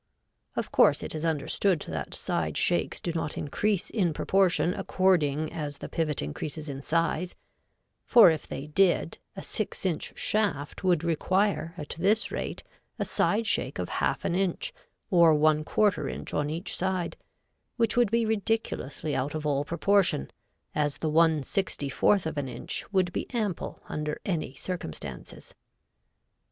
Of course it is understood that side shakes do not increase in proportion according as the pivot increases in size, for if they did a six inch shaft would require at this rate a side shake of 1/2 inch, or 1/4 inch on each side, which would be ridiculously out of all proportion, as the 1/64 of an inch would be ample under any circumstances.